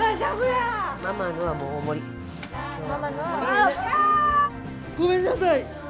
あ！ごめんなさい！